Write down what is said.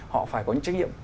họ phải có trách nhiệm